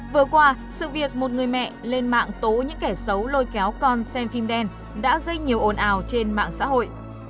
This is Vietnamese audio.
vừa qua sự việc một người mẹ lên mạng tố những kẻ xấu lôi kéo con xem phim đen đã gây nhiều ồn ào trên mạng xã hội